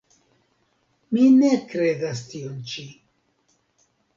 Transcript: Mi ne kredas tion ĉi.